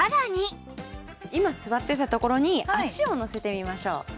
今座ってた所に脚を乗せてみましょう。